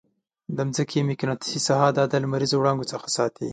د مځکې مقناطیسي ساحه دا د لمریزو وړانګو څخه ساتي.